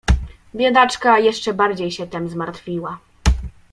"Biedaczka jeszcze bardziej się tem zmartwiła."